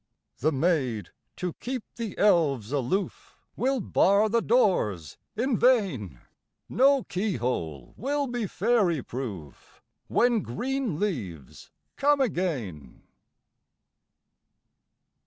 The maids, to keep the elves aloof, Will bar the doors in vain ; No key hole will be fairy proof, When green leaves come again.